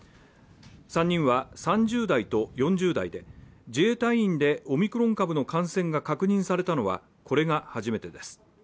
３人は３０代と４０代で自営隊員でオミクロン株の感染が確認されたのはこれが初めてです。